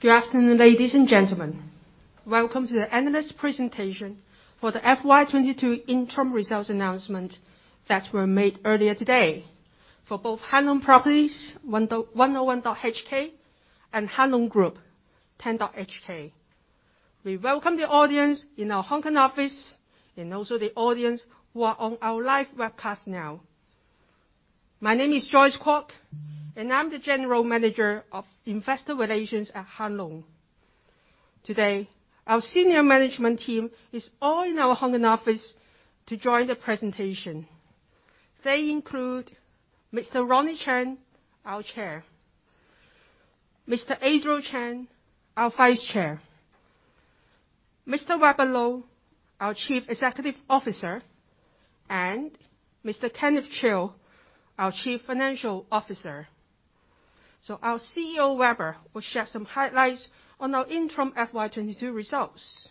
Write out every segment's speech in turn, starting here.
Good afternoon, ladies and gentlemen. Welcome to the Analyst presentation for the FY 2022 Interim Results announcement that were made earlier today for both Hang Lung Properties, 101.HK, and Hang Lung Group, 10.HK. We welcome the audience in our Hong Kong office and also the audience who are on our live webcast now. My name is Joyce Kwok, and I'm the General Manager of Investor Relations at Hang Lung. Today, our senior management team is all in our Hong Kong office to join the presentation. They include Mr. Ronnie Chan, our Chair, Mr. Adriel Chan, our Vice Chair, Mr. Weber Lo, our Chief Executive Officer, and Mr. Kenneth Chiu, our Chief Financial Officer. Our CEO, Weber, will share some highlights on our interim FY 2022 results.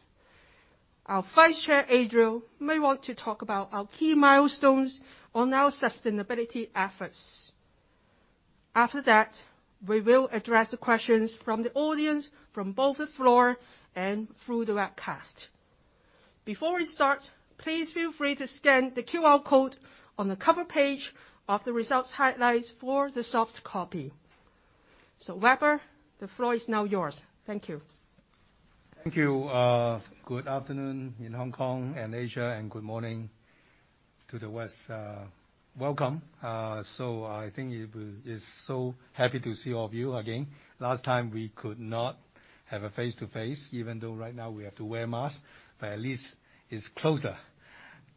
Our Vice Chair, Adriel, may want to talk about our key milestones on our sustainability efforts. After that, we will address the questions from the audience, from both the floor and through the webcast. Before we start, please feel free to scan the QR code on the cover page of the results highlights for the soft copy. Weber, the floor is now yours. Thank you. Thank you, good afternoon in Hong Kong and Asia, and good morning to the West. Welcome. I'm so happy to see all of you again. Last time we could not have a face-to-face, even though right now we have to wear mask, but at least it's closer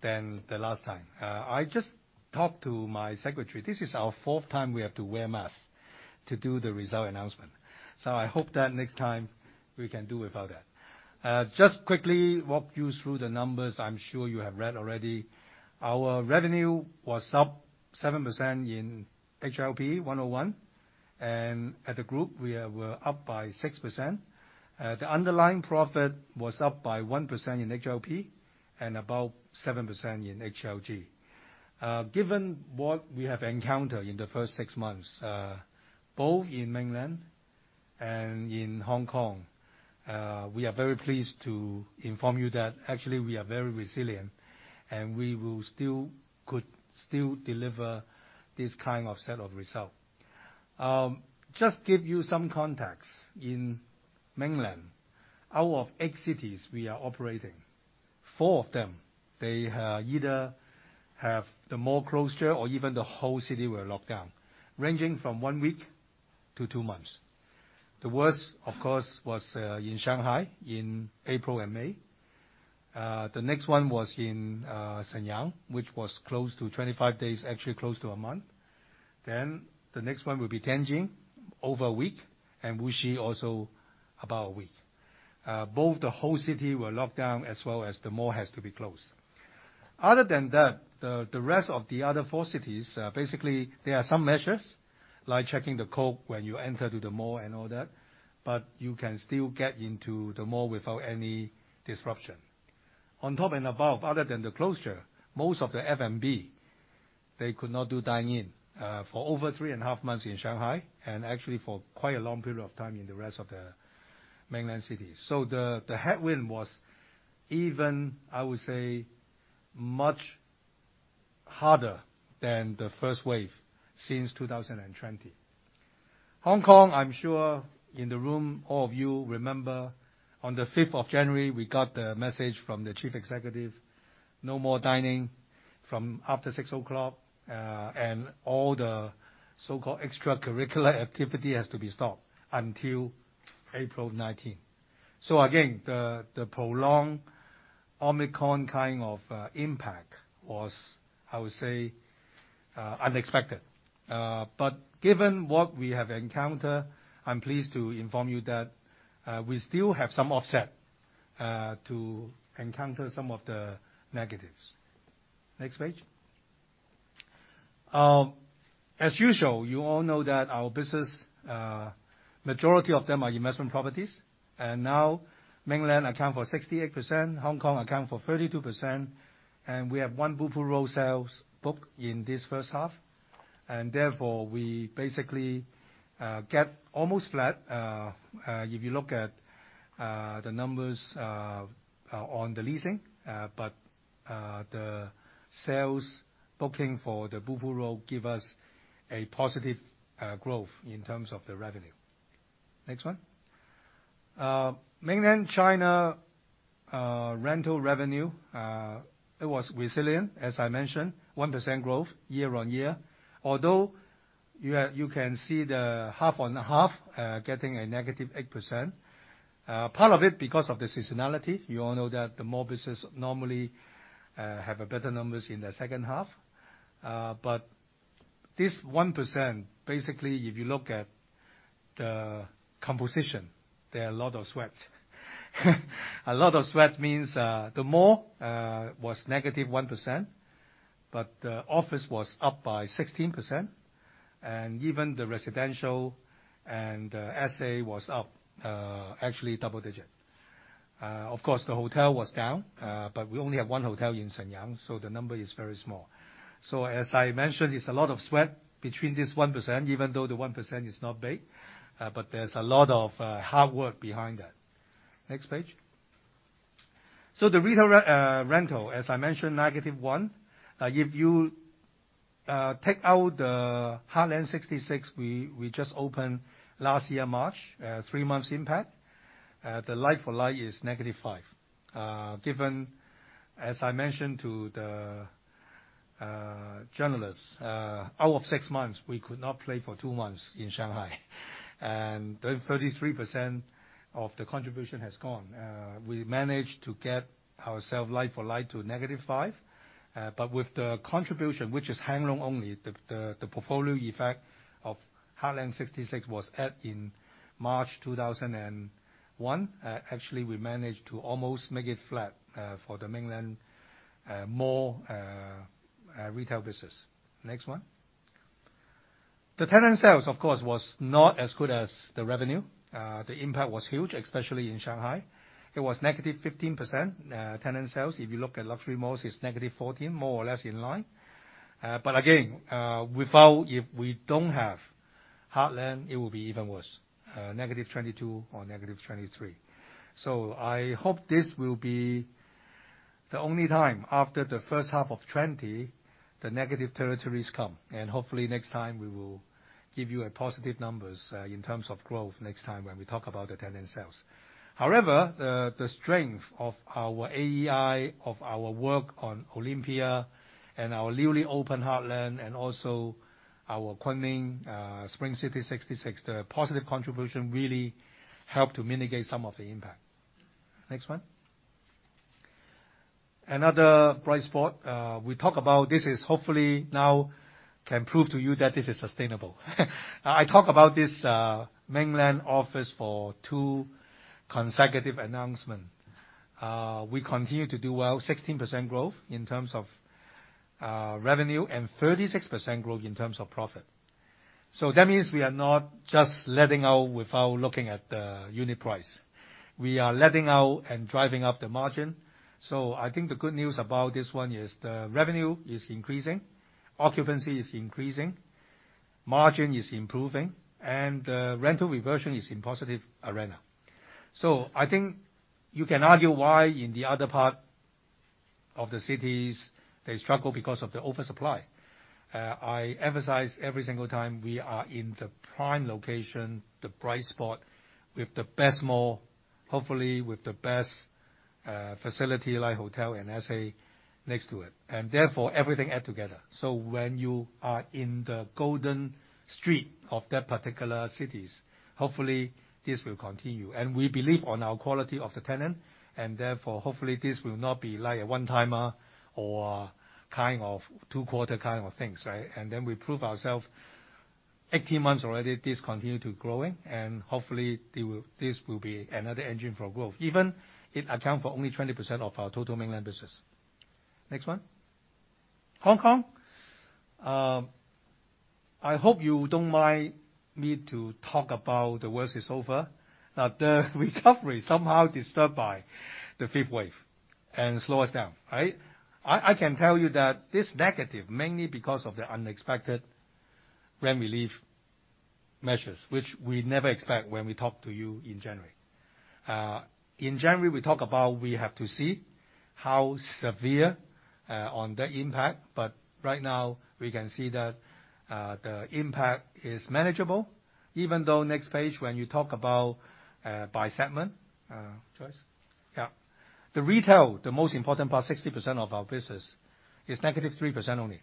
than the last time. I just talked to my secretary. This is our fourth time we have to wear mask to do the result announcement. I hope that next time we can do without that. Just quickly walk you through the numbers. I'm sure you have read already. Our revenue was up 7% in HLP 101, and at the group we were up by 6%. The underlying profit was up by 1% in HLP and about 7% in HLG. Given what we have encountered in the first six months, both in Mainland and in Hong Kong, we are very pleased to inform you that actually we are very resilient and could still deliver this kind of set of results. Just give you some context. In Mainland, out of eight cities we are operating, four of them, they have either had mall closures or even the whole city were locked down, ranging from one week to two months. The worst, of course, was in Shanghai in April and May. The next one was in Shenyang, which was closed for close to 25 days, actually close to a month. Then the next one would be Tianjin, over a week, and Wuxi, also about a week. Both the whole city were locked down as well as the mall has to be closed. Other than that, the rest of the other four cities, basically there are some measures, like checking the code when you enter to the mall and all that, but you can still get into the mall without any disruption. On top and above, other than the closure, most of the F&B, they could not do dine in, for over three and a half months in Shanghai, and actually for quite a long period of time in the rest of the Mainland cities. So the headwind was even, I would say, much harder than the first wave since 2020. Hong Kong, I'm sure in the room all of you remember on the fifth of January we got the message from the chief executive, no more dining from after 6 o'clock, and all the so-called extracurricular activity has to be stopped until April 19th. Again, the prolonged Omicron kind of impact was, I would say, unexpected. Given what we have encountered, I'm pleased to inform you that we still have some offset to encounter some of the negatives. Next page. As usual, you all know that our business, majority of them are investment properties. Now Mainland accounts for 68%, Hong Kong accounts for 32%, and we have one Blue Pool Road sales booked in this first half. Therefore, we basically get almost flat if you look at the numbers on the leasing. The sales booking for the Bofuroad gives us a positive growth in terms of the revenue. Next one. Mainland China rental revenue, it was resilient, as I mentioned, 1% growth year-on-year. Although you can see the half on half getting a -8%. Part of it because of the seasonality. You all know that the mall business normally have better numbers in the second half. This 1%, basically if you look at the composition, there are a lot of swings. A lot of swings means the mall was -1%, but the office was up by 16%, and even the residential and SA was up actually double-digit. Of course, the hotel was down, but we only have one hotel in Shenyang, so the number is very small. As I mentioned, it's a lot of swings between this 1%, even though the 1% is not big, but there's a lot of hard work behind that. Next page. Rental, as I mentioned, -1%. If you take out the Heartland 66 we just opened last year March, three months impact, the like-for-like is -5%. Given, as I mentioned to the journalists, out of six months, we could not play for two months in Shanghai, and 33% of the contribution has gone. We managed to get ourselves like-for-like to -5%. But with the contribution, which is Wuhan only, the portfolio effect of Heartland 66 was at in March 2021. Actually, we managed to almost make it flat, for the mainland more retail business. Next one. The tenant sales, of course, was not as good as the revenue. The impact was huge, especially in Shanghai. It was -15%, tenant sales. If you look at luxury malls, it's -14%, more or less in line. But again, if we don't have Heartland, it will be even worse, -22% or -23%. I hope this will be the only time after the first half of 2020, the negative territories come. Hopefully next time we will give you a positive numbers in terms of growth next time when we talk about the tenant sales. However, the strength of our AEI, of our work on Olympia, and our newly open Heartland, and also our Kunming Spring City 66, the positive contribution really helped to mitigate some of the impact. Next one. Another bright spot we talk about this is hopefully now can prove to you that this is sustainable. I talk about this, mainland office for two consecutive announcement. We continue to do well, 16% growth in terms of, revenue, and 36% growth in terms of profit. That means we are not just letting go without looking at the unit price. We are letting out and driving up the margin. I think the good news about this one is the revenue is increasing, occupancy is increasing, margin is improving, and rental reversion is in positive arena. I think you can argue why in the other part of the cities, they struggle because of the oversupply. I emphasize every single time we are in the prime location, the bright spot, with the best mall, hopefully with the best, facility like hotel and SA next to it, and therefore everything add together. When you are in the golden street of that particular cities, hopefully this will continue. We believe on our quality of the tenant, and therefore, hopefully, this will not be like a one-timer or kind of two-quarter kind of things, right? We prove ourself 18 months already, this continue to growing, and hopefully, this will be another engine for growth, even it account for only 20% of our total mainland business. Next one. Hong Kong. I hope you don't mind me to talk about the worst is over. The recovery somehow disturbed by the fifth wave and slow us down, right? I can tell you that this negative mainly because of the unexpected rent relief measures, which we never expect when we talk to you in January. In January, we talk about we have to see how severe on the impact. Right now, we can see that the impact is manageable. Even though next page, when you talk about by segment, Joyce? Yeah. The retail, the most important part, 60% of our business, is -3% only.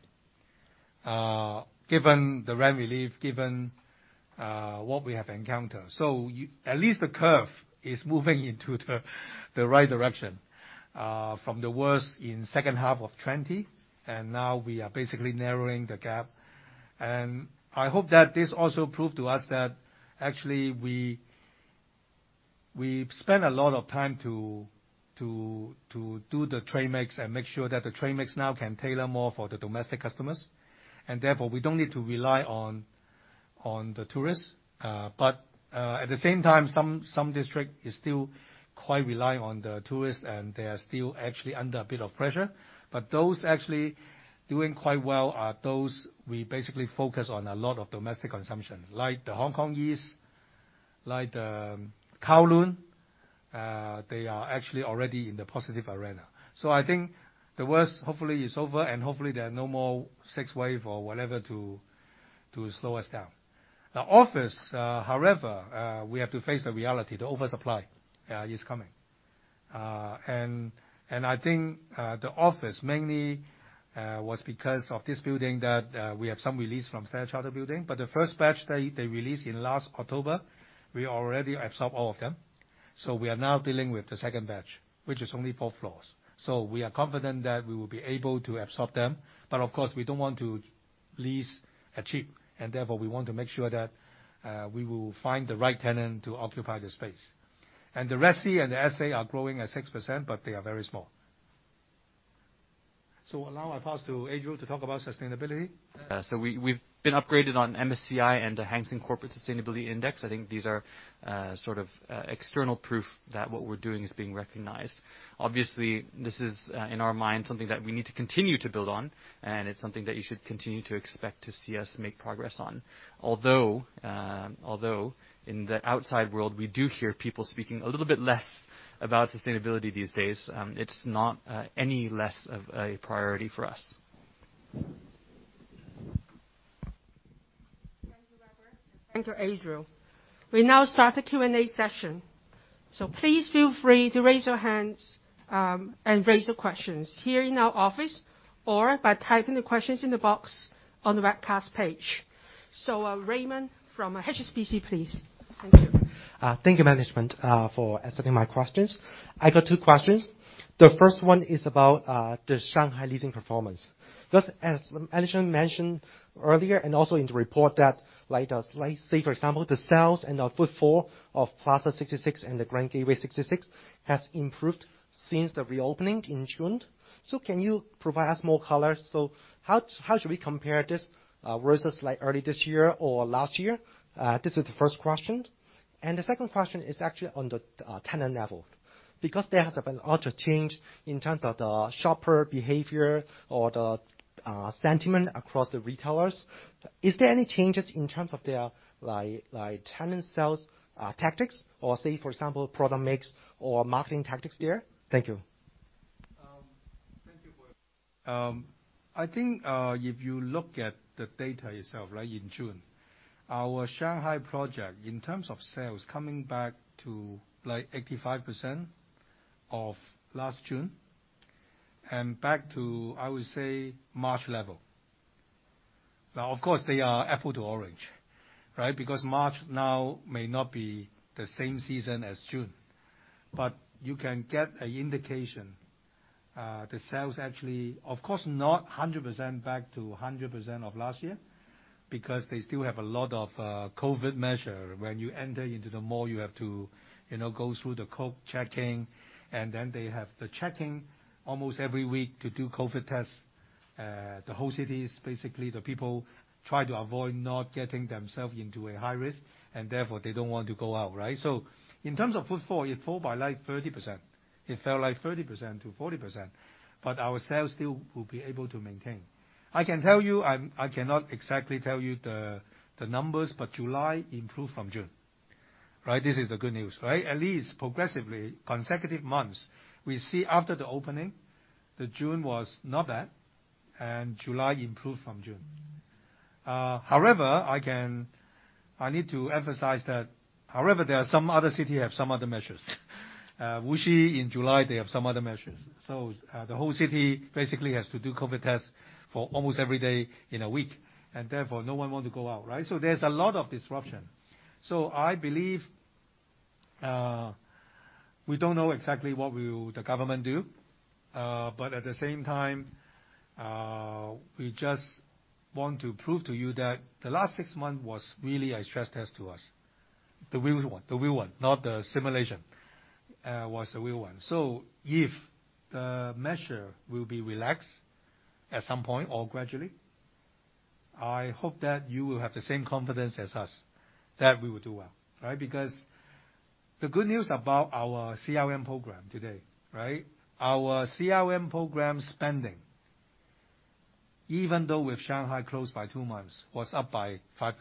Given the rent relief, given what we have encountered. At least the curve is moving into the right direction from the worst in second half of 2020, and now we are basically narrowing the gap. I hope that this also prove to us that actually we spend a lot of time to do the trade mix and make sure that the trade mix now can tailor more for the domestic customers. Therefore, we don't need to rely on the tourists. At the same time, some district is still quite reliant on the tourists, and they are still actually under a bit of pressure. Those actually doing quite well are those we basically focus on a lot of domestic consumption, like the Hong Kong East, like the Kowloon. They are actually already in the positive territory. I think the worst hopefully is over, and hopefully there are no more sixth wave or whatever to slow us down. The office, however, we have to face the reality, the oversupply is coming. I think the office mainly was because of this building that we have some release from Standard Chartered Bank Building. The first batch they released in last October, we already absorb all of them. We are now dealing with the second batch, which is only four floors. We are confident that we will be able to absorb them. Of course, we don't want to lease cheap. Therefore, we want to make sure that we will find the right tenant to occupy the space. The resi and the SA are growing at 6%, but they are very small. Now I pass to Adriel to talk about sustainability. We've been upgraded on MSCI and the Hang Seng Corporate Sustainability Index. I think these are sort of external proof that what we're doing is being recognized. Obviously, this is in our mind something that we need to continue to build on, and it's something that you should continue to expect to see us make progress on. Although in the outside world, we do hear people speaking a little bit less about sustainability these days, it's not any less of a priority for us. Thank you, Weber Lo. Thank you, Adriel. We now start the Q and A session. Please feel free to raise your hands, and raise your questions here in our office or by typing the questions in the box on the webcast page. Raymond from HSBC, please. Thank you. Thank you, management, for accepting my questions. I got two questions. The first one is about the Shanghai leasing performance, because as management mentioned earlier and also in the report that, like, say for example, the sales and the footfall of Plaza 66 and the Grand Gateway 66 has improved since the reopening in June. Can you provide us more color? How should we compare this versus like early this year or last year? This is the first question. The second question is actually on the tenant level, because there has been a lot of change in terms of the shopper behavior or the sentiment across the retailers. Is there any changes in terms of their like tenant sales tactics or, say for example, product mix or marketing tactics there? Thank you. I think, if you look at the data itself, right, in June, our Shanghai project in terms of sales coming back to like 85% of last June and back to, I would say, March level. Now of course, they are apples to oranges, right? Because March now may not be the same season as June. You can get an indication, the sales actually. Of course, not 100% back to 100% of last year because they still have a lot of COVID measures. When you enter into the mall, you have to, you know, go through the code checking, and then they have the checking almost every week to do COVID tests. The whole city is basically the people try to avoid not getting themselves into a high risk, and therefore they don't want to go out, right? In terms of footfall, it fell by like 30%-40%, but our sales still will be able to maintain. I can tell you I cannot exactly tell you the numbers, but July improved from June, right? This is the good news, right? At least progressively, consecutive months. We see after the opening that June was not bad and July improved from June. However, I need to emphasize that there are some other cities have some other measures. Wuxi in July, they have some other measures. The whole city basically has to do COVID tests for almost every day in a week, and therefore no one wants to go out, right? There's a lot of disruption. I believe we don't know exactly what will the government do, but at the same time, we just want to prove to you that the last six months was really a stress test to us. The real one, not the simulation. If the measure will be relaxed at some point or gradually, I hope that you will have the same confidence as us that we will do well, right? Because the good news about our CRM program today, right? Our CRM program spending, even though with Shanghai closed by two months, was up by 5%.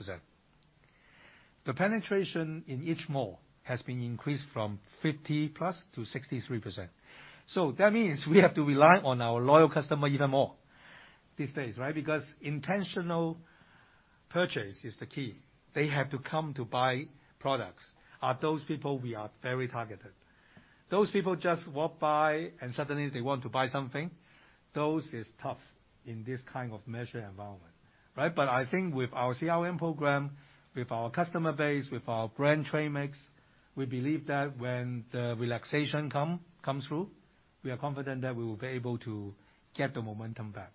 The penetration in each mall has been increased from 50%+ to 63%. That means we have to rely on our loyal customer even more these days, right? Because intentional purchase is the key. They have to come to buy products. Are those people we are very targeted. Those people just walk by and suddenly they want to buy something, that's tough in this kind of measured environment, right? I think with our CRM program, with our customer base, with our brand tenant mix, we believe that when the relaxation comes through, we are confident that we will be able to get the momentum back.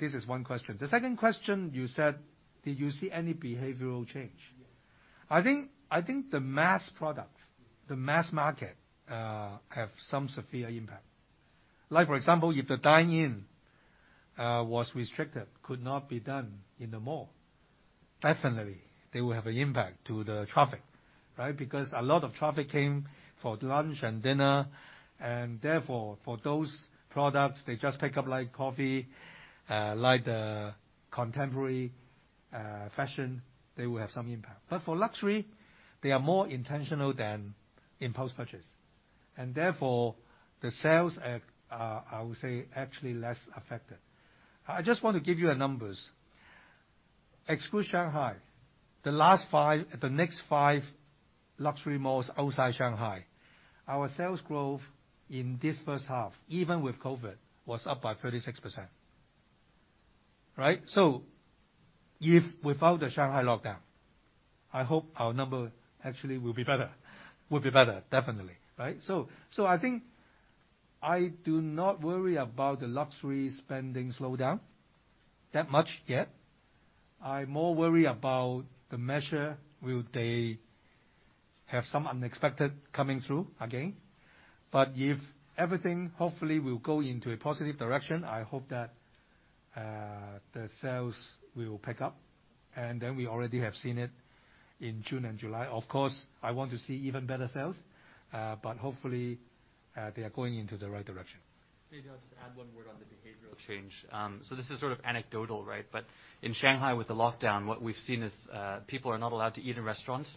This is one question. The second question you said, did you see any behavioral change? Yes. I think the mass products. Mm-hmm. The mass market have some severe impact. Like for example, if the dine in was restricted, could not be done in the mall, definitely they will have an impact to the traffic, right? Because a lot of traffic came for lunch and dinner and therefore for those products they just pick up like coffee, like the contemporary fashion, they will have some impact. But for luxury, they are more intentional than impulse purchase, and therefore the sales are, I would say, actually less affected. I just want to give you a numbers. Exclude Shanghai, the next five luxury malls outside Shanghai, our sales growth in this first half, even with COVID, was up by 36%, right? If without the Shanghai lockdown, I hope our number actually will be better. Will be better definitely, right? I think I do not worry about the luxury spending slowdown that much yet. I more worry about the measure. Will they have some unexpected coming through again. If everything hopefully will go into a positive direction, I hope that the sales will pick up, and then we already have seen it in June and July. Of course, I want to see even better sales, but hopefully they are going into the right direction. Maybe I'll just add one word on the behavioral change. This is sort of anecdotal, right? In Shanghai with the lockdown, what we've seen is people are not allowed to eat in restaurants.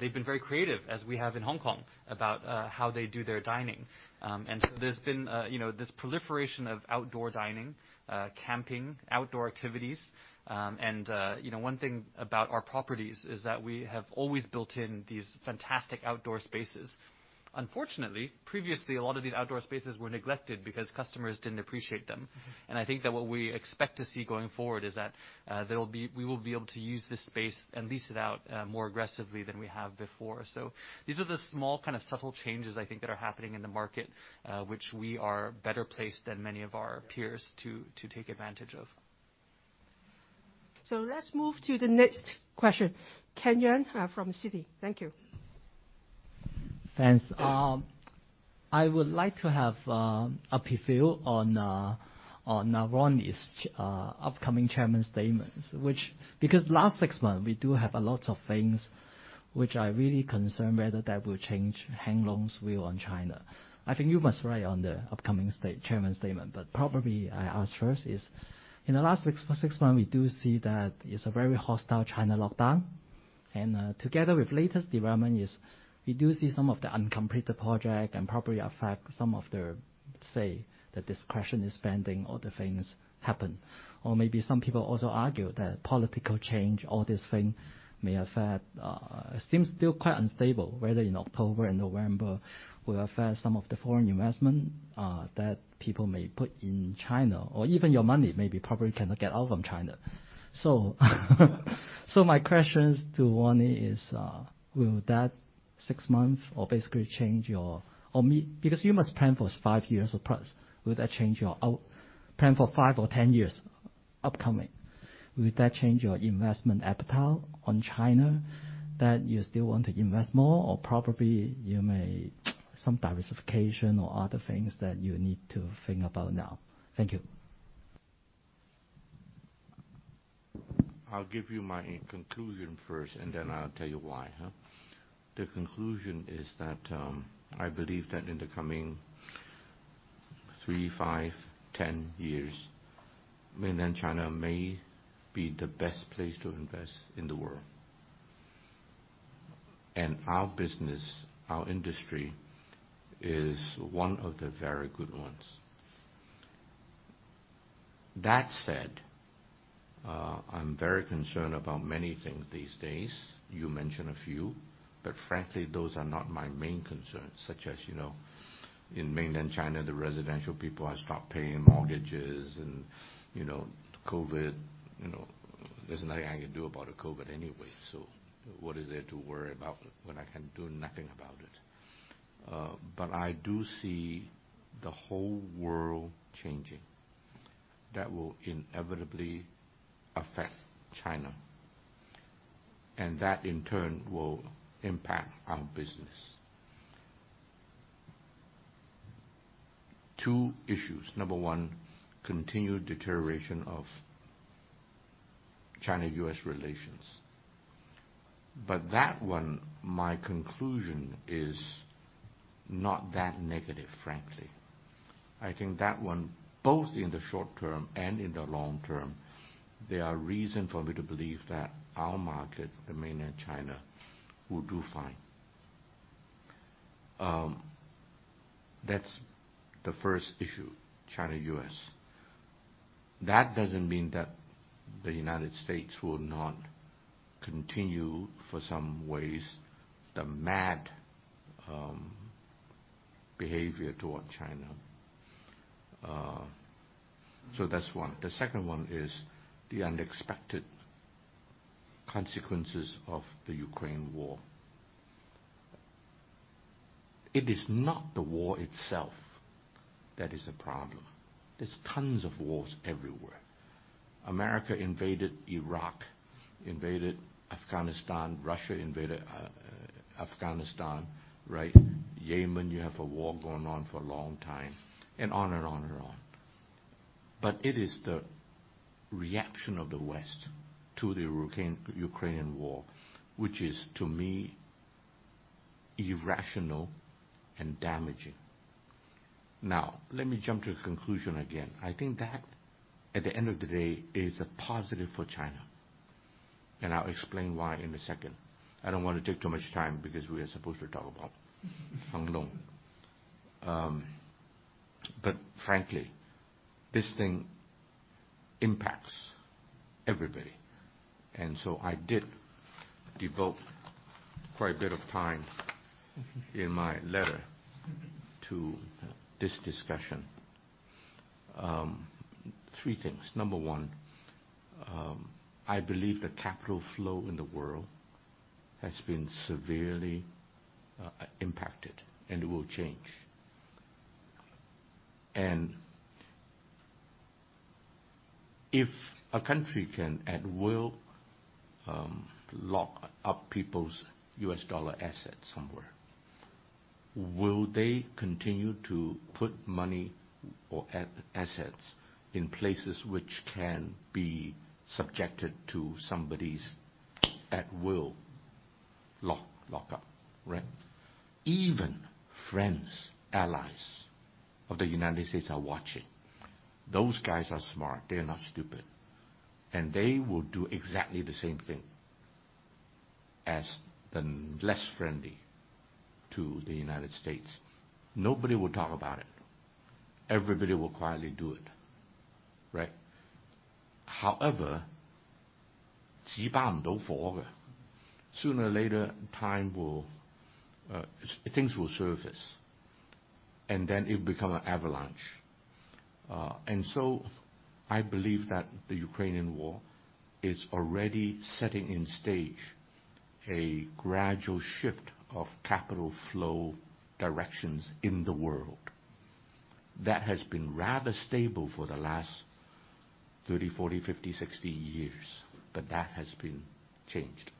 They've been very creative as we have in Hong Kong about how they do their dining. There's been, you know, this proliferation of outdoor dining, camping, outdoor activities. You know, one thing about our properties is that we have always built in these fantastic outdoor spaces. Unfortunately, previously, a lot of these outdoor spaces were neglected because customers didn't appreciate them. I think that what we expect to see going forward is that we will be able to use this space and lease it out more aggressively than we have before. These are the small, kind of subtle changes I think that are happening in the market, which we are better placed than many of our peers to take advantage of. Let's move to the next question. Ken Peng, from Citi. Thank you. Thanks. I would like to have a preview on Ronnie's upcoming chairman statements. Because last six months, we do have a lot of things which I really concerned whether that will change Hang Lung's will on China. I think you must write on the upcoming chairman statement. Probably I ask first is, in the last six months, we do see that it's a very hostile China lockdown. Together with latest development is we do see some of the uncompleted project and probably affect some of their, say, the discretionary spending or the things happen. Or maybe some people also argue that political change, all this thing may affect. Seems still quite unstable whether in October and November will affect some of the foreign investment that people may put in China or even your money maybe probably cannot get out from China. My question to Ronnie is, will that six months or basically change your plan? Because you must plan for five years or plus, will that change your plan for five or ten years upcoming. Will that change your investment appetite on China that you still want to invest more or probably you may some diversification or other things that you need to think about now? Thank you. I'll give you my conclusion first, and then I'll tell you why. The conclusion is that, I believe that in the coming three, five, 10 years, mainland China may be the best place to invest in the world. Our business, our industry is one of the very good ones. That said, I'm very concerned about many things these days. You mentioned a few, but frankly, those are not my main concerns, such as, you know, in mainland China, the residential people have stopped paying mortgages and, you know, COVID. You know, there's nothing I can do about the COVID anyway. So what is there to worry about when I can do nothing about it? But I do see the whole world changing. That will inevitably affect China, and that in turn will impact our business. Two issues. Number one, continued deterioration of China-U.S. relations. But that one, my conclusion is not that negative, frankly. I think that one, both in the short term and in the long term, there are reason for me to believe that our market, the mainland China, will do fine. That's the first issue, China-U.S. That doesn't mean that the United States will not continue, for some ways, the mad behavior towards China. So that's one. The second one is the unexpected consequences of the Ukraine war. It is not the war itself that is a problem. There's tons of wars everywhere. America invaded Iraq, invaded Afghanistan. Russia invaded, Afghanistan, right? Yemen, you have a war going on for a long time, and on and on and on. It is the reaction of the West to the Ukraine, Ukrainian war, which is, to me, irrational and damaging. Now, let me jump to the conclusion again. I think that, at the end of the day, is a positive for China, and I'll explain why in a second. I don't wanna take too much time because we are supposed to talk about Hang Lung. Frankly, this thing impacts everybody. I did devote quite a bit of time in my letter to this discussion. Three things. Number one, I believe the capital flow in the world has been severely impacted and will change. If a country can at will lock up people's U.S. dollar assets somewhere, will they continue to put money or assets in places which can be subjected to somebody's at will lock up, right? Even friends, allies of the United States are watching. Those guys are smart, they're not stupid. They will do exactly the same thing as the less friendly to the United States. Nobody will talk about it. Everybody will quietly do it, right? However, sooner or later, things will surface, and then it will become an avalanche. I believe that the Ukrainian war is already setting the stage for a gradual shift of capital flow directions in the world. That has been rather stable for the last 30, 40, 50, 60 years, but that has been changed.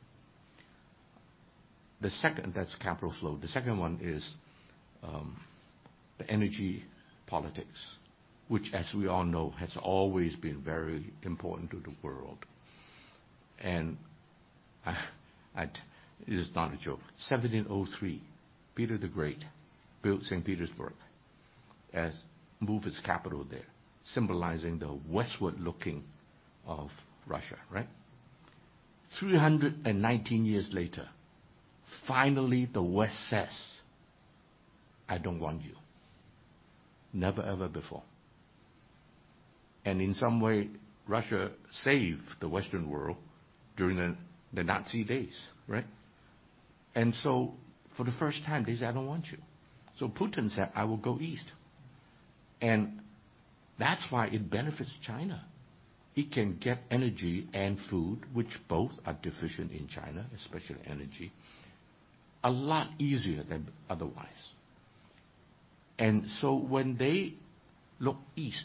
That's capital flow. The second one is the energy politics, which as we all know, has always been very important to the world. It is not a joke. In 1703, Peter the Great built St. Petersburg, moved his capital there, symbolizing the westward-looking of Russia, right? 319 years later, finally the West says, "I don't want you." Never ever before. And in some way, Russia saved the Western world during the Nazi days, right? For the first time, they say, "I don't want you." So Putin said, "I will go east." That's why it benefits China. It can get energy and food, which both are deficient in China, especially energy, a lot easier than otherwise. When they look east,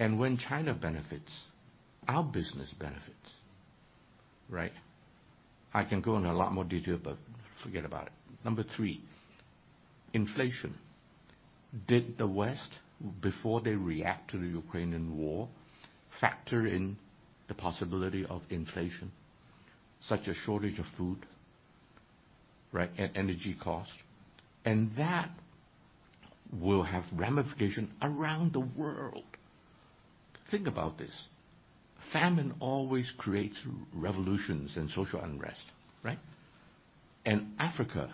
and when China benefits, our business benefits, right? I can go into a lot more detail, but forget about it. Number three, inflation. Did the West, before they react to the Ukrainian war, factor in the possibility of inflation? Such as shortage of food, right? Energy cost. That will have ramification around the world. Think about this. Famine always creates revolutions and social unrest, right? Africa,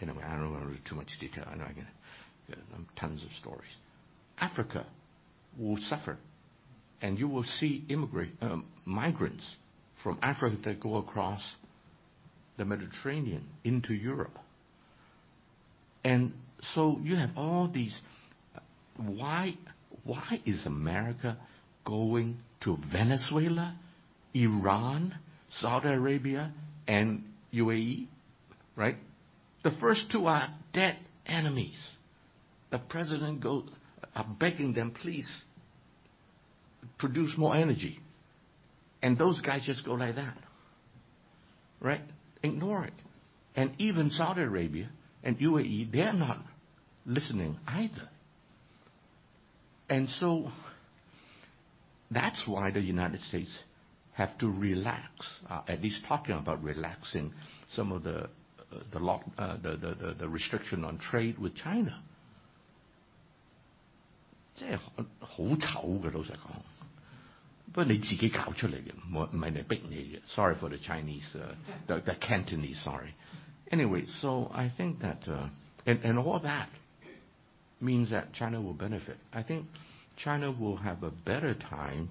you know, I don't wanna go too much detail. I know I got tons of stories. Africa will suffer, and you will see migrants from Africa that go across the Mediterranean into Europe. You have all these. Why is America going to Venezuela, Iran, Saudi Arabia, and UAE, right? The first two are dead enemies. The president go are begging them, "Please produce more energy." Those guys just go like that, right? Ignore it. Even Saudi Arabia and UAE, they are not listening either. That's why the United States have to relax at least talking about relaxing some of the restriction on trade with China. Sorry for the Chinese, the Cantonese. Sorry. Anyway, I think that. All that means that China will benefit. I think China will have a better time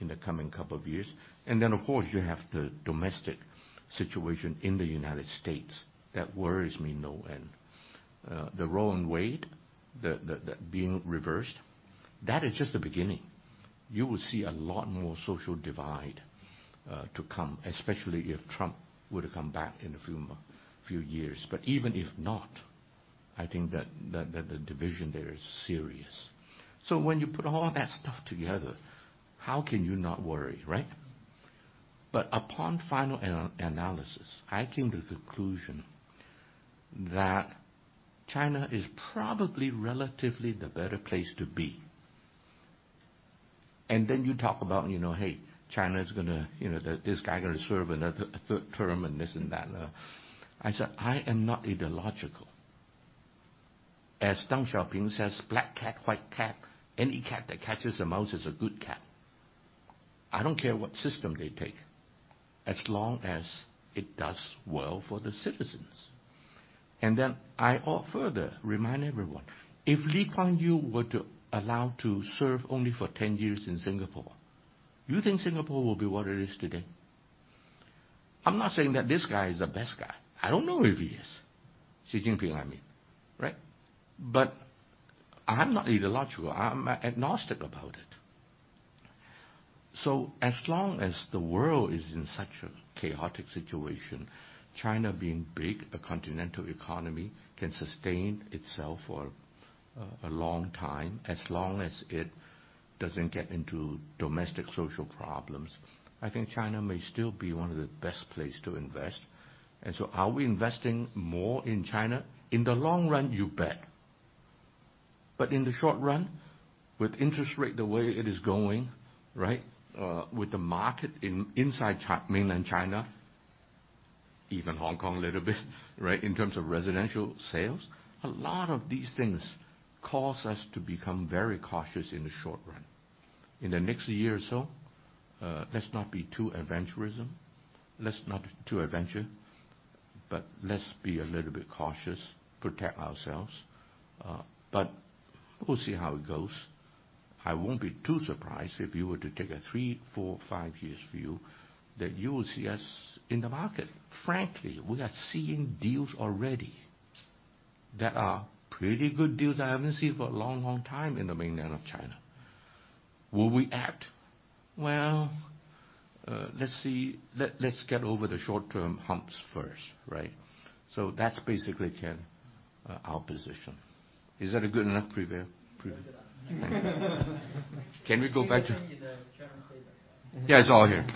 in the coming couple of years. Of course, you have the domestic situation in the United States. That worries me no end. The Roe v. Wade being reversed, that is just the beginning. You will see a lot more social divide to come, especially if Trump were to come back in a few years. Even if not, I think the division there is serious. When you put all that stuff together, how can you not worry, right? Upon final analysis, I came to the conclusion that China is probably relatively the better place to be. You talk about, you know, hey, China's gonna, you know, this guy gonna serve a third term and this and that. I said, "I am not ideological." As Deng Xiaoping says, "Black cat, white cat, any cat that catches a mouse is a good cat." I don't care what system they take, as long as it does well for the citizens. I also further remind everyone, if Lee Kuan Yu were to allow to serve only for 10 years in Singapore, you think Singapore will be what it is today? I'm not saying that this guy is the best guy. I don't know if he is. Xi Jinping, I mean, right? I'm not ideological. I'm agnostic about it. As long as the world is in such a chaotic situation, China being big, a continental economy, can sustain itself for a long time. As long as it Doesn't get into domestic social problems. I think China may still be one of the best place to invest. Are we investing more in China? In the long run, you bet. In the short run, with interest rate, the way it is going, right, with the market inside Mainland China, even Hong Kong, little bit, right, in terms of residential sales. A lot of these things cause us to become very cautious in the short run. In the next year or so, let's not be too adventurous, but let's be a little bit cautious, protect ourselves, but we'll see how it goes. I won't be too surprised if you were to take a three, four, five years view that you will see us in the market. Frankly, we are seeing deals already that are pretty good deals I haven't seen for a long, long time in the mainland of China. Will we act? Well, let's see. Let's get over the short-term humps first, right? That's basically, Ken, our position. Is that a good enough preview? Good enough. Can we go back to? Can you send me the Chairman's statement? Yeah, it's all here.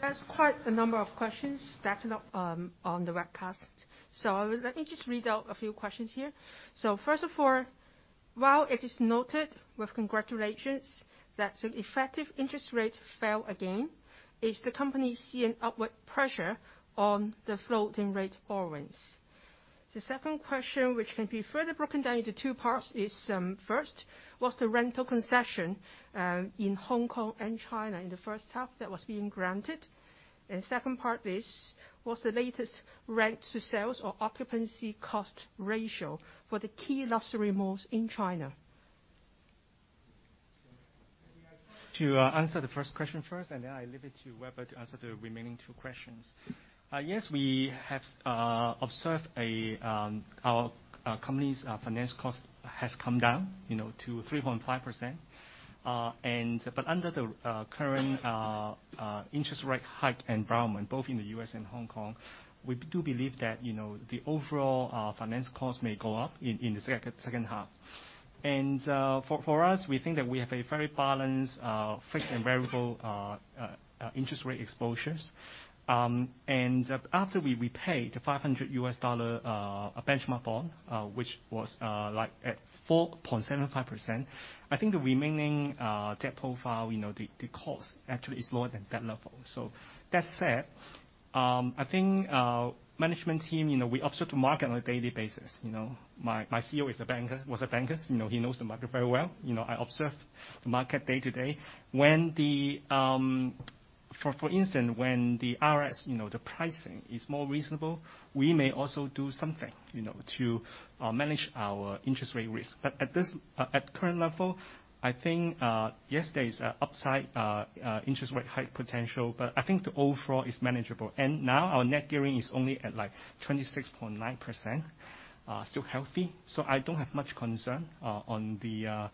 There's quite a number of questions stacked up on the webcast. Let me just read out a few questions here. First of all, while it is noted with congratulations that an effective interest rate fell again, is the company seeing upward pressure on the floating rate borrowings? The second question, which can be further broken down into two parts, is, first, what's the rental concession in Hong Kong and China in the first half that was being granted? Second part is, what's the latest rent to sales or occupancy cost ratio for the key luxury malls in China? To answer the first question first, then I leave it to Weber to answer the remaining two questions. Yes, we have observed our company's finance cost has come down, you know, to 3.5%. Under the current interest rate hike environment, both in the U.S. and Hong Kong, we do believe that, you know, the overall finance cost may go up in the second half. For us, we think that we have a very balanced fixed and variable interest rate exposures. After we repay the $500 benchmark bond, which was like at 4.75%, I think the remaining debt profile, you know, the cost actually is lower than that level. That said, I think, management team, you know, we observe the market on a daily basis, you know. My CEO is a banker, was a banker, you know. He knows the market very well. You know, I observe the market day to day. For instance, when the RS, you know, the pricing is more reasonable, we may also do something, you know, to manage our interest rate risk. At current level, I think, yes, there is a upside, interest rate hike potential, but I think the overall is manageable. Now our net gearing is only at, like, 26.9%, still healthy. I don't have much concern on the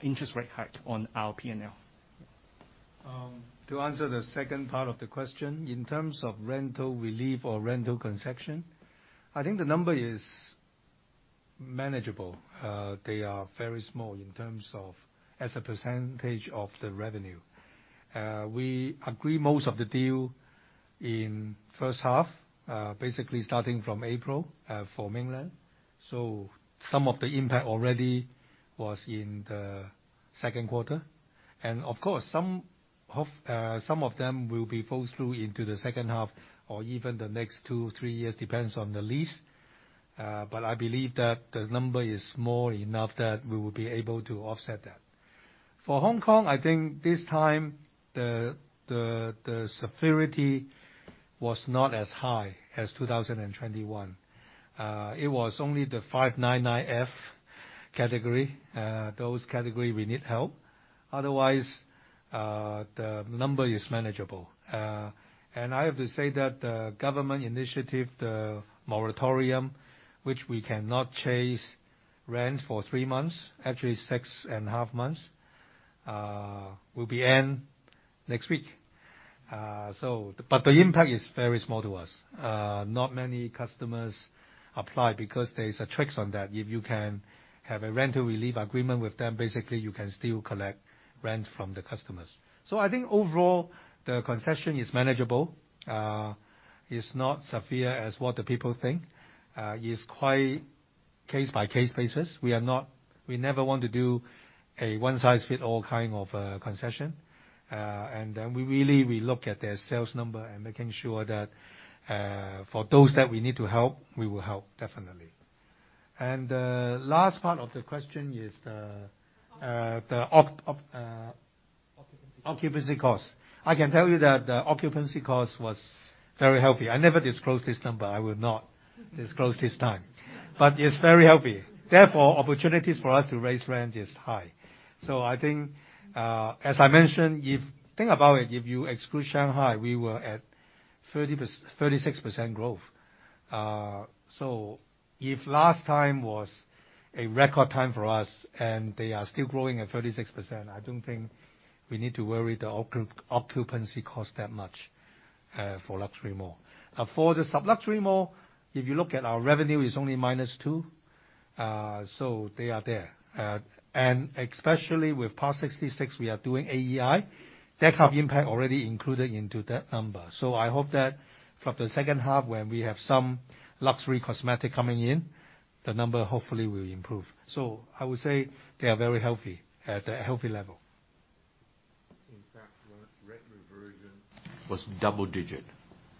interest rate hike on our P&L. To answer the second part of the question, in terms of rental relief or rental concession, I think the number is manageable. They are very small in terms of as a percentage of the revenue. We agree most of the deal in first half, basically starting from April, for mainland. Some of the impact already was in the second quarter. Of course, some of them will be fall through into the second half or even the next two, three years, depends on the lease. I believe that the number is small enough that we will be able to offset that. For Hong Kong, I think this time the severity was not as high as 2021. It was only the Cap. 599F category. Those category we need help. Otherwise, the number is manageable. I have to say that the government initiative, the moratorium, which we cannot chase rent for three months, actually six and a half months, will end next week. The impact is very small to us. Not many customers apply because there is a trick to that. If you can have a rental relief agreement with them, basically you can still collect rent from the customers. I think overall, the concession is manageable. It's not as severe as what the people think. It's quite case-by-case basis. We never want to do a one-size-fits-all kind of a concession. We really re-look at their sales number and making sure that, for those that we need to help, we will help definitely. The last part of the question is the.... Occupancy cost. Occupancy cost. I can tell you that the occupancy cost was very healthy. I never disclose this number. I will not disclose this time. It's very healthy. Therefore, opportunities for us to raise rent is high. I think, as I mentioned, think about it, if you exclude Shanghai, we were at 36% growth. If last time was a record time for us and they are still growing at 36%, I don't think we need to worry the occupancy cost that much, for luxury mall. For the sub-luxury mall, if you look at our revenue is only -2%. They are there. Especially with Plaza 66, we are doing AEI. That have impact already included into that number. I hope that from the second half, when we have some luxury cosmetic coming in, the number hopefully will improve. I would say they are very healthy. At a healthy level. In fact, last rent reversion was double-digit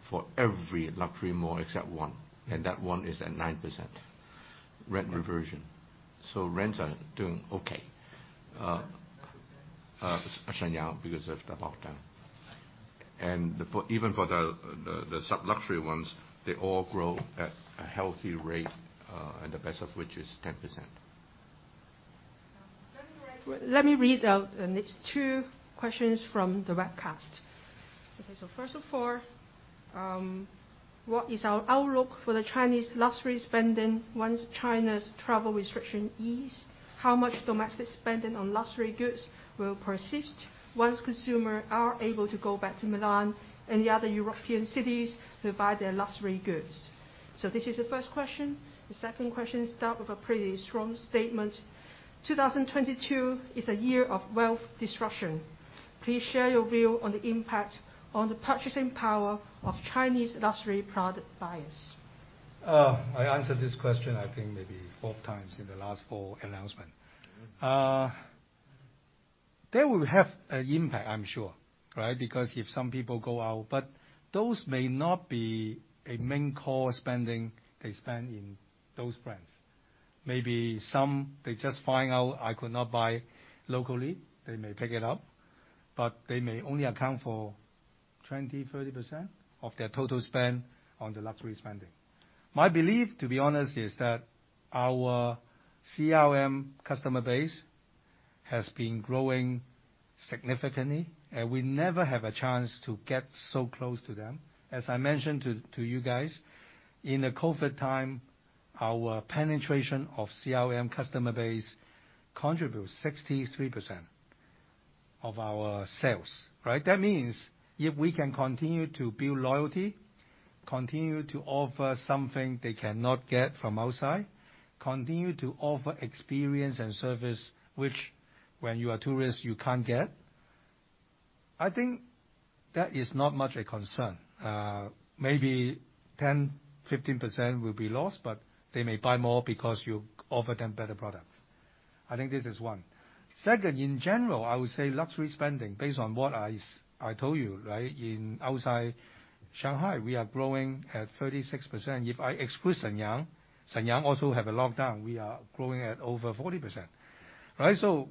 for every luxury mall except one, and that one is at 9% rent reversion. Rents are doing okay. [inaudible] Shenyang because of the lockdown. And even for the sub-luxury ones, they all grow at a healthy rate, and the best of which is 10%. Let me read out the next two questions from the webcast. Okay, so first of all, what is our outlook for the Chinese luxury spending once China's travel restrictions ease? How much domestic spending on luxury goods will persist once consumers are able to go back to Milan and the other European cities to buy their luxury goods? This is the first question. The second question starts with a pretty strong statement. 2022 is a year of wealth disruption. Please share your view on the impact on the purchasing power of Chinese luxury product buyers. I answered this question I think maybe four times in the last four announcement. They will have an impact, I'm sure, right? Because if some people go out. But those may not be a main core spending they spend in those brands. Maybe some, they just find out I could not buy locally, they may pick it up, but they may only account for 20%-30% of their total spend on the luxury spending. My belief, to be honest, is that our CRM customer base has been growing significantly, and we never have a chance to get so close to them. As I mentioned to you guys, in the COVID time, our penetration of CRM customer base contributes 63% of our sales, right? That means if we can continue to build loyalty, continue to offer something they cannot get from outside, continue to offer experience and service which when you are tourist, you can't get, I think that is not much a concern. Maybe 10%, 15% will be lost, but they may buy more because you offer them better products. I think this is one. Second, in general, I would say luxury spending, based on what I told you, right? In outside Shanghai, we are growing at 36%. If I exclude Shenyang also have a lockdown, we are growing at over 40%, right? So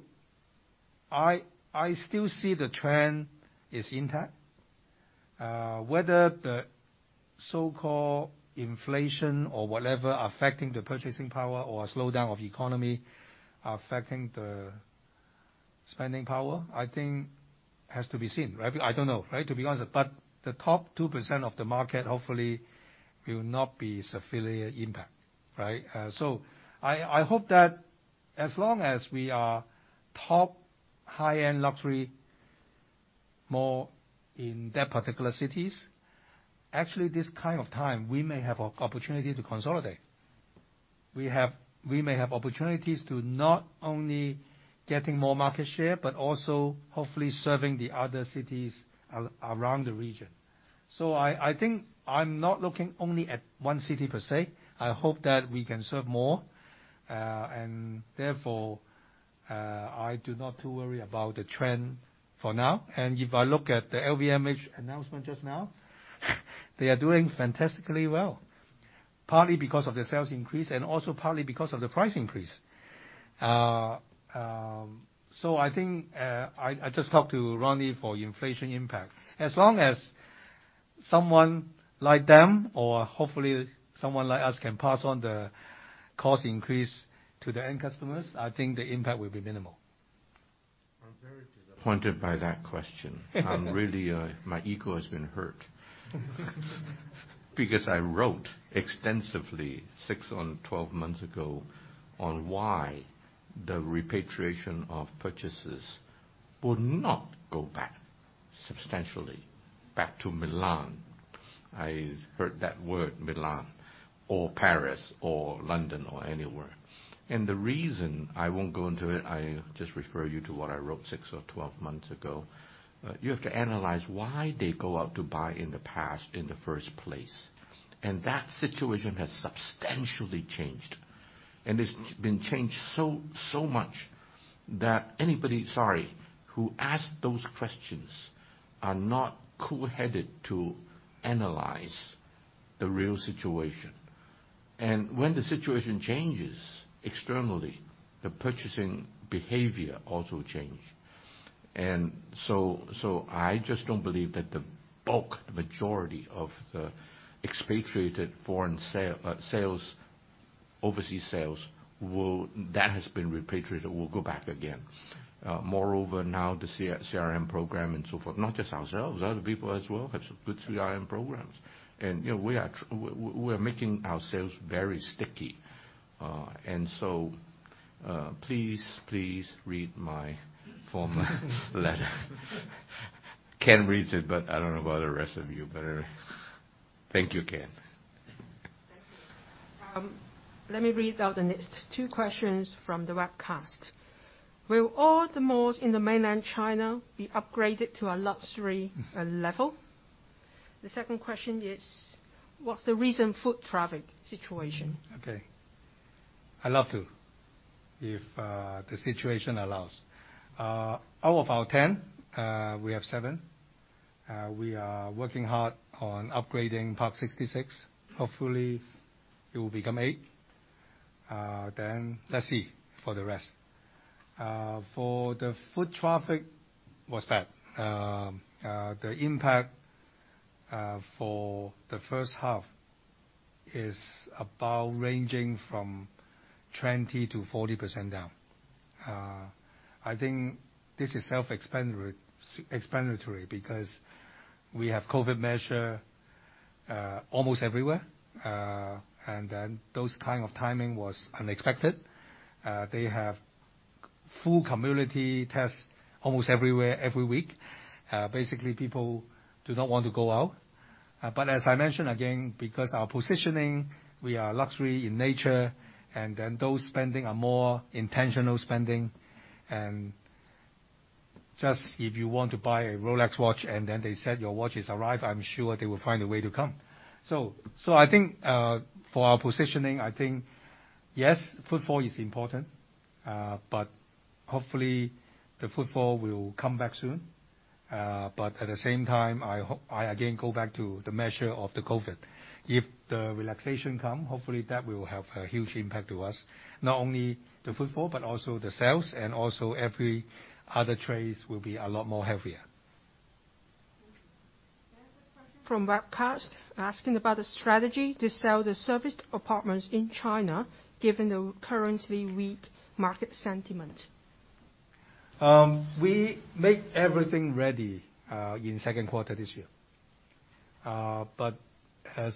I still see the trend is intact. Whether the so-called inflation or whatever affecting the purchasing power or slowdown of economy affecting the spending power, I think has to be seen, right? I don't know, right? To be honest. The top 2% of the market hopefully will not be severely impacted, right? I hope that as long as we are top high-end luxury mall in that particular cities, actually this kind of time, we may have a opportunity to consolidate. We may have opportunities to not only getting more market share, but also hopefully serving the other cities around the region. I think I'm not looking only at one city per se. I hope that we can serve more. Therefore, I do not worry about the trend for now. If I look at the LVMH announcement just now, they are doing fantastically well, partly because of the sales increase and also partly because of the price increase. I think I just talked to Ronnie for inflation impact. As long as someone like them or hopefully someone like us can pass on the cost increase to the end customers, I think the impact will be minimal. I'm very disappointed by that question. I'm really, my ego has been hurt. Because I wrote extensively six to twelve months ago on why the repatriation of purchases would not go back substantially to Milan. I hate that word Milan or Paris or London or anywhere. The reason, I won't go into it, I just refer you to what I wrote six to twelve months ago. You have to analyze why they go out to buy in the past in the first place. That situation has substantially changed. It's been changed so much that anybody, sorry, who asked those questions are not cool-headed to analyze the real situation. When the situation changes externally, the purchasing behavior also change. So I just don't believe that the bulk majority of the expatriated foreign sales, overseas sales will. That has been repatriated will go back again. Moreover, now the CRM program and so forth, not just ourselves, other people as well have good CRM programs. You know, we're making ourselves very sticky. Please read my former letter. Ken reads it, but I don't know about the rest of you. Thank you, Ken. Thank you. Let me read out the next two questions from the webcast. Will all the malls in Mainland China be upgraded to a luxury level? The second question is, what's the recent foot traffic situation? Okay. I love to if the situation allows. Out of our 10, we have seven. We are working hard on upgrading Plaza 66. Hopefully it will become eight. Let's see for the rest. The foot traffic was bad. The impact for the first half is about ranging from 20%-40% down. I think this is self-explanatory because we have COVID measures almost everywhere. That kind of timing was unexpected. They have full community tests almost everywhere every week. Basically people do not want to go out. As I mentioned again, because our positioning, we are luxury in nature and then those spending are more intentional spending and just if you want to buy a Rolex watch and then they said your watch has arrived, I'm sure they will find a way to come. I think, for our positioning, I think, yes, footfall is important. Hopefully the footfall will come back soon. At the same time, I again go back to the measure of the COVID. If the relaxation come, hopefully that will have a huge impact to us. Not only the footfall but also the sales and also every other trades will be a lot more heavier. Thank you. There's a question from webcast asking about the strategy to sell the serviced apartments in China, given the currently weak market sentiment. We make everything ready in second quarter this year. As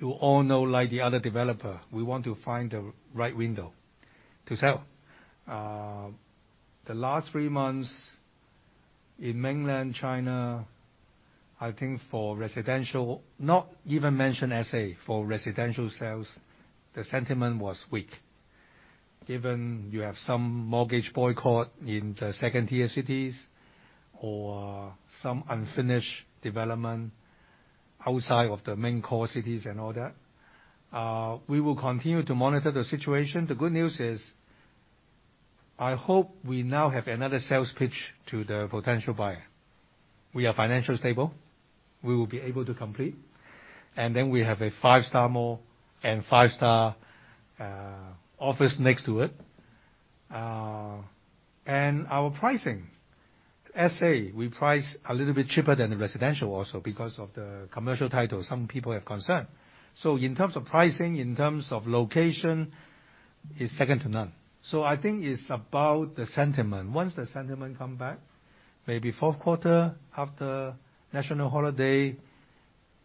you all know, like the other developer, we want to find the right window to sell. The last three months in mainland China, I think for residential, not even mention SA, for residential sales, the sentiment was weak. Given you have some mortgage boycott in the second tier cities or some unfinished development outside of the main core cities and all that. We will continue to monitor the situation. The good news is, I hope we now have another sales pitch to the potential buyer. We are financially stable. We will be able to complete. Then we have a five-star mall and five-star office next to it. Our pricing, SA, we price a little bit cheaper than the residential also because of the commercial title. Some people have concern. In terms of pricing, in terms of location, it's second to none. I think it's about the sentiment. Once the sentiment come back, maybe fourth quarter after national holiday,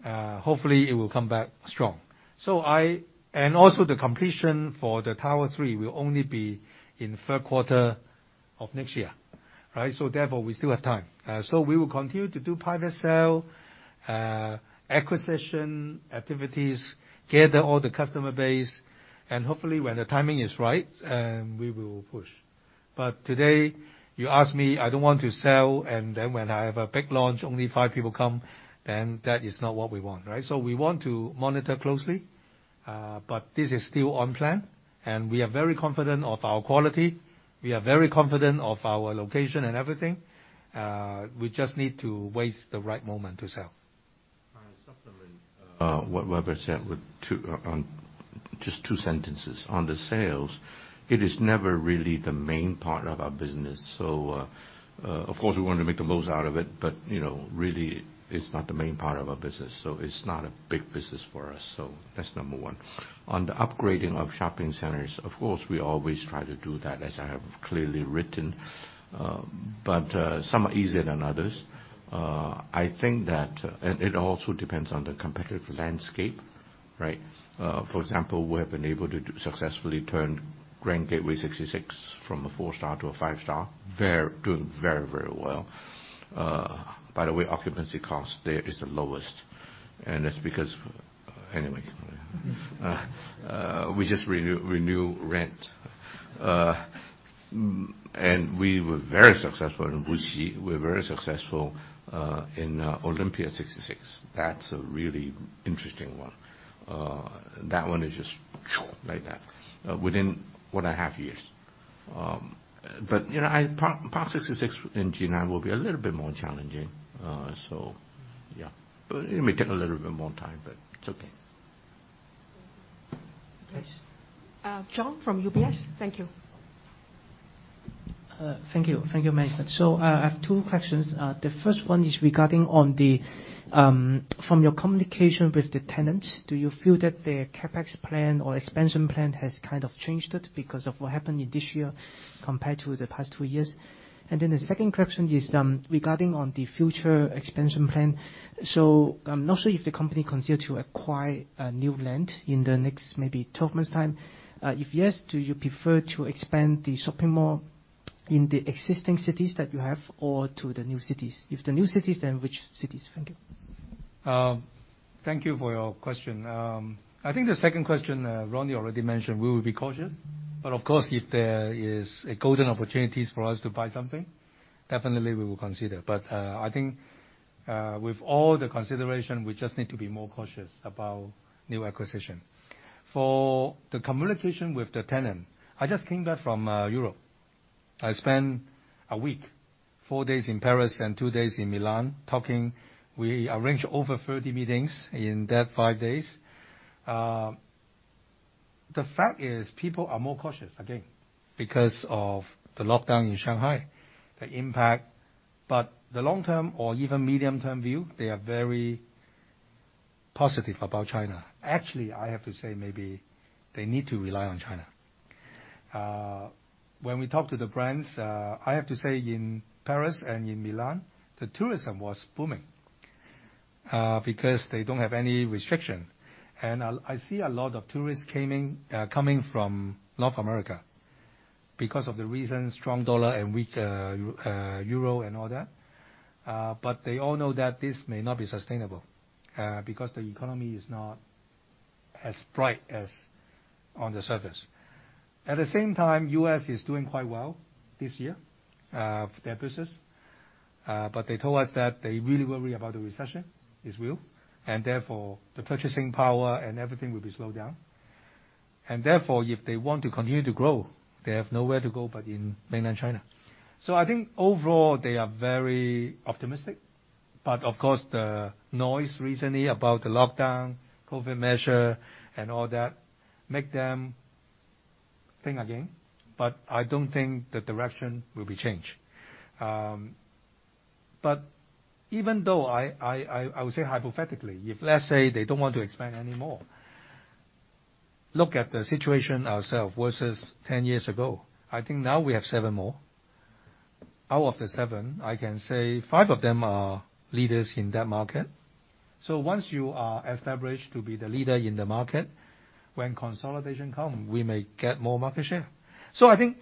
hopefully it will come back strong. Also the completion for the tower three will only be in third quarter of next year, right? Therefore, we still have time. We will continue to do private sale, acquisition activities, gather all the customer base, and hopefully when the timing is right, we will push. Today, you ask me, I don't want to sell, and then when I have a big launch, only five people come, then that is not what we want, right? We want to monitor closely, but this is still on plan, and we are very confident of our quality. We are very confident of our location and everything. We just need to wait the right moment to sell. I supplement what Weber said with two on just two sentences. On the sales, it is never really the main part of our business. Of course, we want to make the most out of it, but, you know, really, it's not the main part of our business, so it's not a big business for us. That's number one. On the upgrading of shopping centers, of course, we always try to do that, as I have clearly written. Some are easier than others. I think that it also depends on the competitive landscape, right? For example, we have been able to successfully turn Grand Gateway 66 from a four star to a five star. Doing very, very well. By the way, occupancy cost there is the lowest, and that's because, anyway, we just renew rent. We were very successful in Wuxi. We're very successful in Olympia 66. That's a really interesting one. That one is just like that within one and a half years. You know, Park 66 in Jinan will be a little bit more challenging. It may take a little bit more time, but it's okay. John from UBS. Thank you. Thank you. Thank you. I have two questions. The first one is regarding from your communication with the tenants, do you feel that their CapEx plan or expansion plan has kind of changed it because of what happened in this year compared to the past two years? The second question is regarding on the future expansion plan. I'm not sure if the company consider to acquire new land in the next maybe 12 months time. If yes, do you prefer to expand the shopping mall in the existing cities that you have or to the new cities? If the new cities, then which cities? Thank you. Thank you for your question. I think the second question, Ronnie already mentioned. We will be cautious, but of course, if there is a golden opportunities for us to buy something, definitely we will consider. I think, with all the consideration, we just need to be more cautious about new acquisition. For the communication with the tenant, I just came back from Europe. I spent a week, four days in Paris and two days in Milan talking. We arranged over 30 meetings in that 5 days. The fact is people are more cautious again because of the lockdown in Shanghai, the impact. The long-term or even medium-term view, they are very positive about China. Actually, I have to say, maybe they need to rely on China. When we talk to the brands, I have to say in Paris and in Milan, the tourism was booming because they don't have any restriction. I see a lot of tourists coming from North America because of the recent strong dollar and weak euro and all that. They all know that this may not be sustainable because the economy is not as bright as on the surface. At the same time, the U.S. is doing quite well this year for their business. They told us that they really worry about the recession as well, and therefore the purchasing power and everything will be slowed down. Therefore, if they want to continue to grow, they have nowhere to go but in mainland China. I think overall, they are very optimistic. Of course, the noise recently about the lockdown, COVID measure, and all that, make them think again. I don't think the direction will be changed. Even though I would say hypothetically, if let's say they don't want to expand anymore, look at the situation ourselves versus 10 years ago. I think now we have seven mall. Out of the seven, I can say five of them are leaders in that market. Once you are established to be the leader in the market, when consolidation come, we may get more market share. I think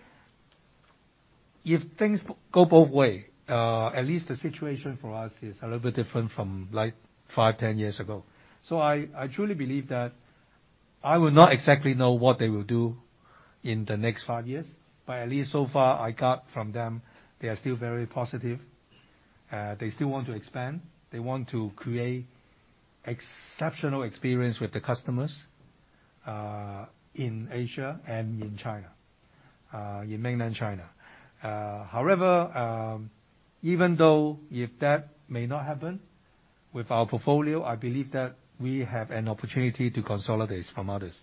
if things go both way, at least the situation for us is a little bit different from like five, 10 years ago. I truly believe that I would not exactly know what they will do in the next five years, but at least so far I got from them, they are still very positive. They still want to expand. They want to create exceptional experience with the customers, in Asia and in China, in mainland China. However, even though if that may not happen with our portfolio, I believe that we have an opportunity to consolidate from others.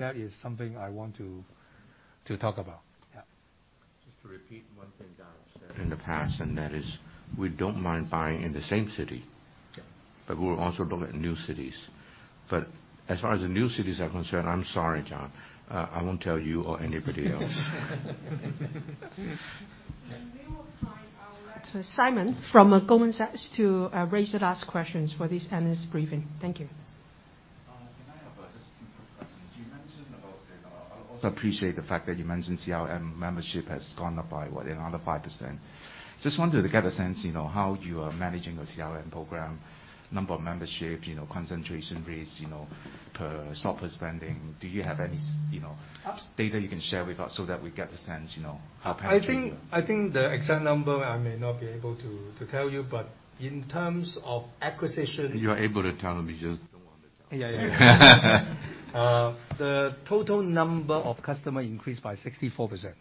That is something I want to talk about. Yeah. Just to repeat one thing i have said in the past, and that is we don't mind buying in the same city. Yeah. We're also looking at new cities. As far as the new cities are concerned, I'm sorry, John, I won't tell you or anybody else. We will find our way to Simon from Goldman Sachs to raise the last questions for this analyst briefing. Thank you. Can I have just two quick questions? You mentioned about the I also appreciate the fact that you mentioned CRM membership has gone up by what, another 5%. Just wanted to get a sense, you know, how you are managing your CRM program, number of membership, you know, concentration rates, you know, per shopper spending. Do you have any you know, data you can share with us so that we get the sense, you know, how perhaps you.... I think the exact number I may not be able to tell you, but in terms of acquisition... You're able to tell him, you just don't want to tell him. Yeah, yeah. The total number of customers increased by 64%.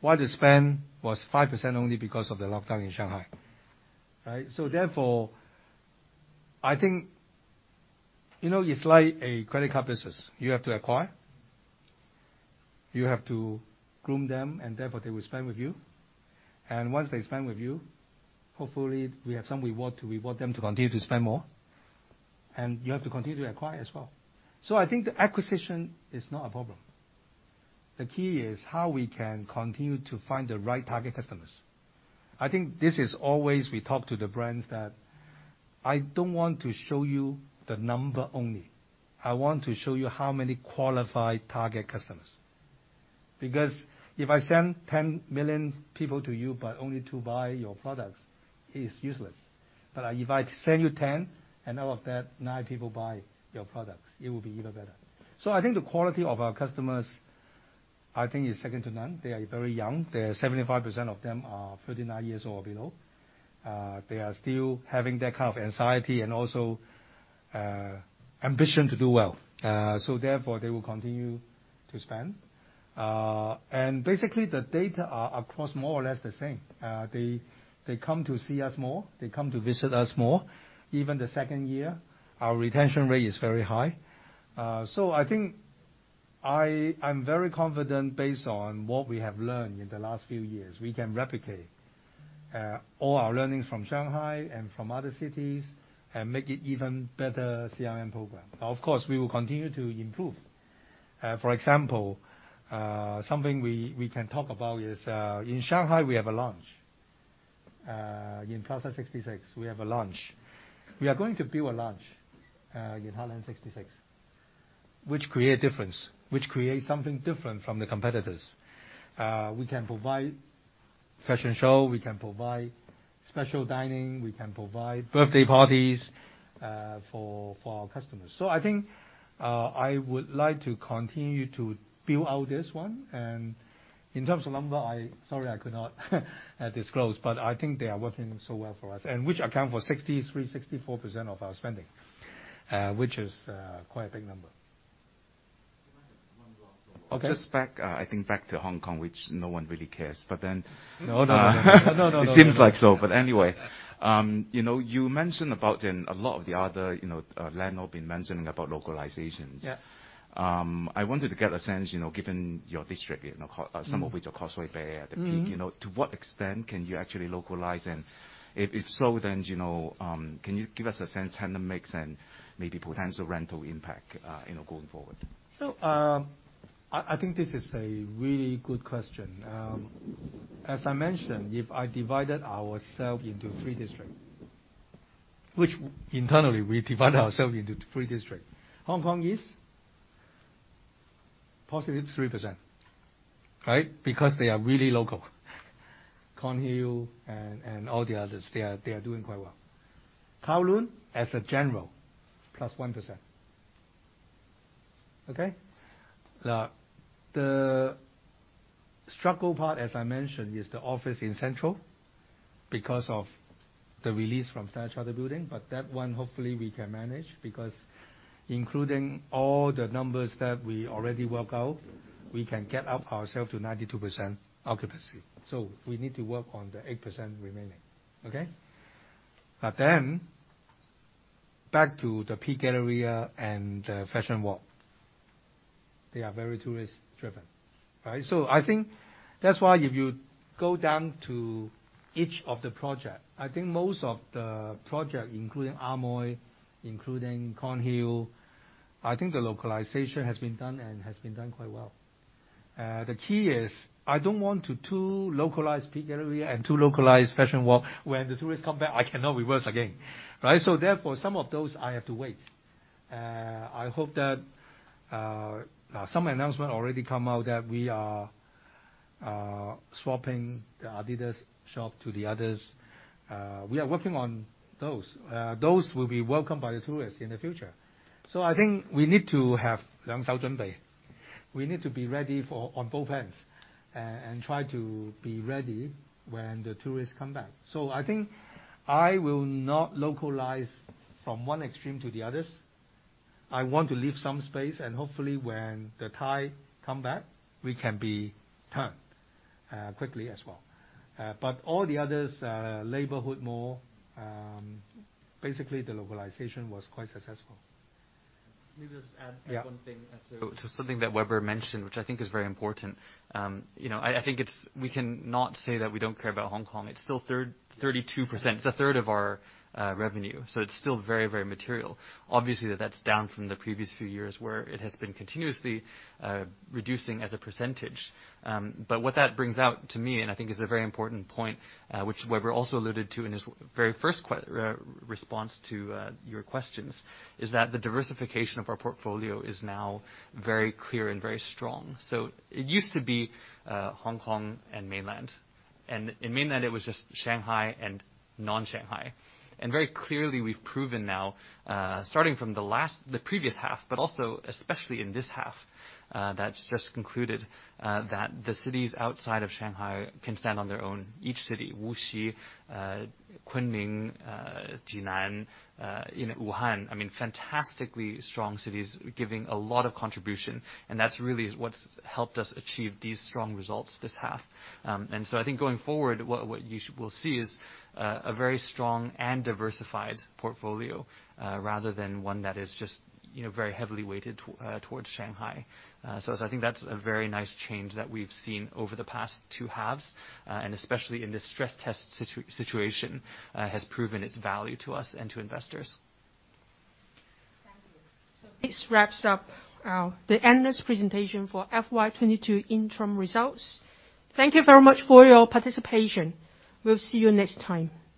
While the spend was 5% only because of the lockdown in Shanghai, right? I think, you know, it's like a credit card business. You have to acquire, you have to groom them, and therefore they will spend with you. Once they spend with you, hopefully we have some reward to reward them to continue to spend more. You have to continue to acquire as well. I think the acquisition is not a problem. The key is how we can continue to find the right target customers. I think this is always we talk to the brands that, I don't want to show you the number only. I want to show you how many qualified target customers. If I send 10 million people to you, but only two buy your products, it is useless. If I send you 10, and out of that nine people buy your product, it will be even better. I think the quality of our customers, I think, is second to none. They are very young. They are 75% of them are 39 years or below. They are still having that kind of anxiety and also, ambition to do well. Therefore, they will continue to spend. Basically the data are across more or less the same. They come to see us more. They come to visit us more. Even the second year, our retention rate is very high. I think I'm very confident based on what we have learned in the last few years. We can replicate all our learnings from Shanghai and from other cities and make it even better CRM program. Of course, we will continue to improve. For example, something we can talk about is in Shanghai we have a lounge. In Plaza 66, we have a lounge. We are going to build a lounge in Heartland 66 which create difference, which create something different from the competitors. We can provide fashion show, we can provide special dining, we can provide birthday parties for our customers. I think I would like to continue to build out this one. In terms of number, Sorry I could not disclose, but I think they are working so well for us, and which account for 63%-64% of our spending, which is quite a big number. Can I have one go after? Okay. Just back, I think back to Hong Kong, which no one really cares, but then. No, no, no, no. No, no, no. It seems like so. Anyway, you know, you mentioned about in a lot of the other, you know, landlord been mentioning about localizations. Yeah. I wanted to get a sense, you know, given your district, you know. Mm-hmm. Some of which are Causeway Bay at The Peak. Mm-hmm. You know, to what extent can you actually localize? If so, then you know, can you give us a sense of tenant mix and maybe potential rental impact, you know, going forward? I think this is a really good question. As I mentioned, if I divided ourselves into three districts, which internally we divide ourselves into three districts. Hong Kong is +3%, right? Because they are really local. Kornhill and all the others, they are doing quite well. Kowloon in general, +1%. Okay? The struggle part as I mentioned is the office in Central because of the release from Standard Chartered Bank Building. That one hopefully we can manage because including all the numbers that we already work out, we can get ourselves up to 92% occupancy. We need to work on the 8% remaining. Okay? Back to the Peak Galleria and the Fashion Walk, they are very tourist-driven, right? I think that's why if you go down to each of the project, I think most of the project, including Amoy, including Kornhill, I think the localization has been done and has been done quite well. The key is I don't want to too localize Peak Galleria and too localize Fashion Walk. When the tourists come back, I cannot reverse again, right? Therefore, some of those I have to wait. I hope that some announcement already come out that we are swapping the Adidas shop to the others. We are working on those. Those will be welcomed by the tourists in the future. I think we need to have. We need to be ready for on both ends and try to be ready when the tourists come back. I think I will not localize from one extreme to the others. I want to leave some space and hopefully when the tide come back we can be turned, quickly as well. But all the others, neighborhood mall, basically the localization was quite successful. Let me just add. Yeah. One thing to something that Weber mentioned, which I think is very important. You know, I think it's we cannot say that we don't care about Hong Kong. It's still 32%. It's a third of our revenue, so it's still very, very material. Obviously, that's down from the previous few years where it has been continuously reducing as a percentage. But what that brings out to me, and I think is a very important point, which Weber also alluded to in his very first response to your questions, is that the diversification of our portfolio is now very clear and very strong. It used to be Hong Kong and Mainland, and in Mainland it was just Shanghai and non-Shanghai. And very clearly we've proven now, starting from the previous half, but also especially in this half that's just concluded, that the cities outside of Shanghai can stand on their own. Each city, Wuxi, Kunming, Jinan, you know, Wuhan. I mean, fantastically strong cities giving a lot of contribution and that's really what's helped us achieve these strong results this half. I think going forward what you will see is a very strong and diversified portfolio, rather than one that is just, you know, very heavily weighted towards Shanghai. I think that's a very nice change that we've seen over the past two halves, and especially in this stress test situation, has proven its value to us and to investors. Thank you. This wraps up the analyst presentation for FY 22 Interim Results. Thank you very much for your participation. We'll see you next time. Bye. Thank you.